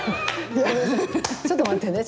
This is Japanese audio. ちょっと待ってね。